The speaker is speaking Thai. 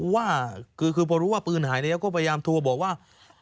ว่าคือพอรู้ว่าปืนหายแล้วก็พยายามโทรบอกว่า